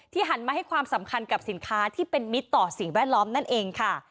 หันมาให้ความสำคัญกับสินค้าที่เป็นมิตรต่อสิ่งแวดล้อมนั่นเองค่ะ